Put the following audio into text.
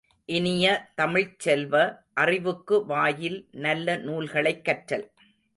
இனிய தமிழ்ச் செல்வ, அறிவுக்கு வாயில் நல்ல நூல்களைக் கற்றல்.